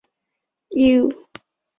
主要从事高分子化学研究与教学。